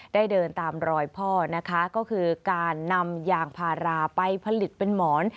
เดินตามรอยพ่อนะคะก็คือการนำยางพาราไปผลิตเป็นหมอน